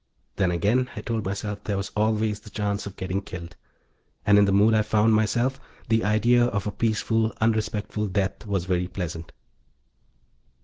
Then again, I told myself, there was always the chance of getting killed. And in the mood I found myself, the idea of a peaceful, unrespectful death was very pleasant.